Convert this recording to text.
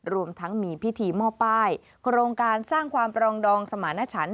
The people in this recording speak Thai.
รวมทั้งมีพิธีมอบป้ายโครงการสร้างความปรองดองสมาณฉัน